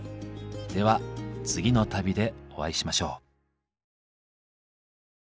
では次の旅でお会いしましょう。